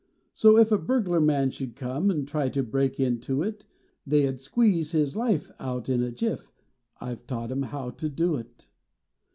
So if a burglar man should come An try to break into it They ud squeeze his life out in a jif, I ve taught em how to do it.